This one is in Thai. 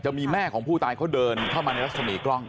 มีแม่ของผู้ตายเขาเดินเข้ามาในรัศมีกล้อง